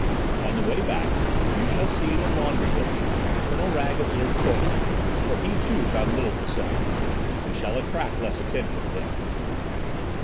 "On the way back you shall see the laundry building," Colonel Wragge observed shortly, for he, too, found little to say. "We shall attract less attention then."